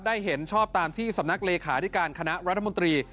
เห็นชอบตามที่สำนักเลขาธิการคณะรัฐมนตรี